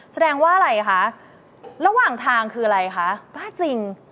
แสดงว่าอะไรคะระหว่างทางคืออะไรคะบ้าจริง